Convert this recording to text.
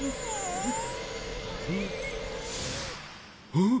あっ！？